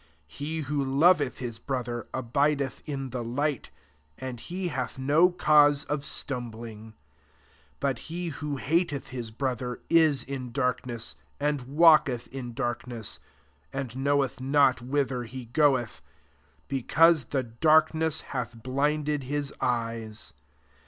10 He who loveth his brother, abideth in the light, ind he hath no cause of stum bling. 11 But he who hateth bis brother, is in darkness, and (valketh in darkness, and know 2th not whither he goeth, be cause the darkness hath blinded bis eyes.''